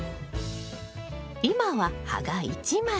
今は葉が１枚。